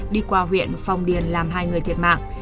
đi qua huyện phong điền làm hai người thiệt mạng